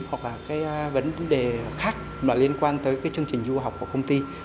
hoặc vấn đề khác liên quan tới chương trình du học của công ty